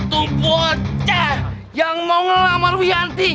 tuh bocah yang mau ngelamar wianti